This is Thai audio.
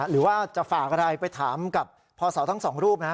หรือว่าจะฝากอะไรไปถามกับพศทั้งสองรูปนะ